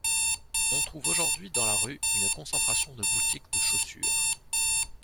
On trouve aujourd'hui dans la rue une concentration de boutiques de chaussures.